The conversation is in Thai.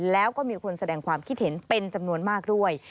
แล้วก็มีคนแสดงความคิดเห็นเป็นจำนวนมากด้วย